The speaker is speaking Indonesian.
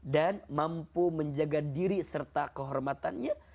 dan mampu menjaga diri serta kehormatannya